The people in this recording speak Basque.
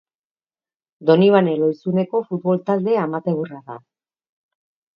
Donibane Lohizuneko futbol talde amateurra da.